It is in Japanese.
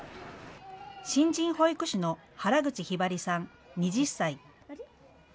新人保育士の原口ひばりさん、２０歳。